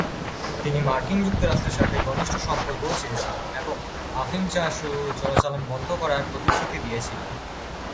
তিনি মার্কিন যুক্তরাষ্ট্রের সাথে ঘনিষ্ঠ সম্পর্কও চেয়েছিলেন এবং আফিম চাষ ও চোরাচালান বন্ধ করার প্রতিশ্রুতি দিয়েছিলেন।